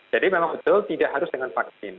jadi memang betul tidak harus dengan vaksin